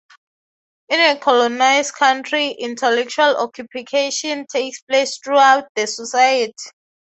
In a colonised country intellectual occupation takes place throughout society.